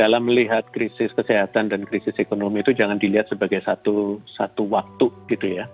jadi dalam melihat krisis kesehatan dan krisis ekonomi itu jangan dilihat sebagai satu waktu